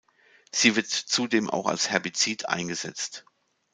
Sie wird zudem auch als Herbizid eingesetzt.